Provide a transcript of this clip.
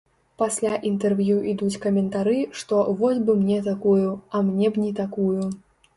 Пасля інтэрв'ю ідуць каментары, што вось бы мне такую, а мне б не такую.